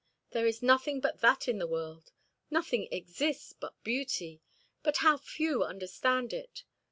There is nothing but that in the world. Nothing exists but beauty. But how few understand it!